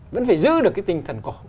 vẫn phải giữ được cái tinh thần cổ